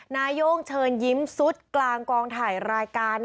นาย่งเชิญยิ้มซุดกลางกองถ่ายรายการ